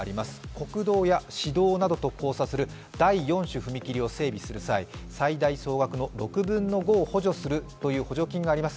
国道や市道などと交差する第４種踏切を整備する際最大総額の６分の５を補助するというものがあります。